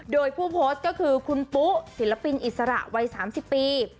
โดยผู้โพสต์ก็คือคุณปุ๊ศิลปินอิสระวัย๓๐ปี